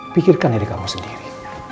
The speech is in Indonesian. pikirkan diri kamu sendiri